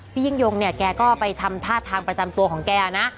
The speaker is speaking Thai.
พี่ยิ่งยงเนี่ยแกก็ไปทำท่าทางประจำตัวของแกนะ